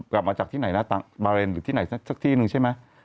กลับมาจากที่ไหนนะบาเรนหรือที่ไหนสักที่หนึ่งใช่ไหม